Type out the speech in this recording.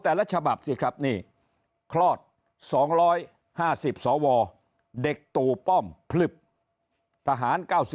ฉบับสิครับนี่คลอด๒๕๐สวเด็กตู่ป้อมพลึบทหาร๙๐